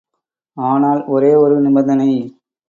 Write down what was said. ஆனால் ஒரே ஒரு நிபந்தனை.